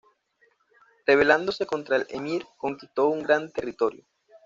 Rebelándose contra el emir, conquistó un gran territorio.